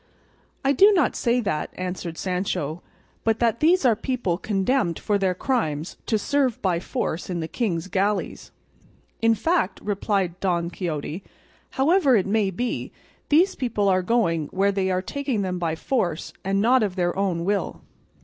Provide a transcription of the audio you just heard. "I do not say that," answered Sancho, "but that these are people condemned for their crimes to serve by force in the king's galleys." "In fact," replied Don Quixote, "however it may be, these people are going where they are taking them by force, and not of their own will."